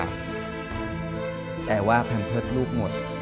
แหววว่าแพมพ์เพิธรูปหมด